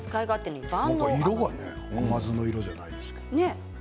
色が甘酢の色じゃないですけれど。